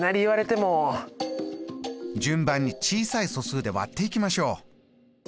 順番に小さい素数で割っていきましょう。